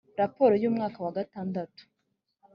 raporo y umwaka wa gatandatu